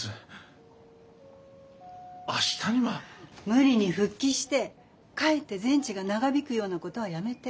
無理に復帰してかえって全治が長引くようなことはやめて。